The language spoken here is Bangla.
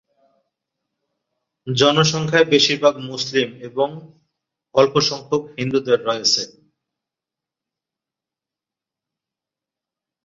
জনসংখ্যায় বেশিরভাগ মুসলিম এবং অল্প সংখ্যক হিন্দুদের রয়েছে।